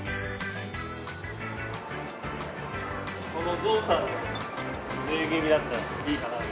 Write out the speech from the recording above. このゾウさんのぬいぐるみだったらいいかなと。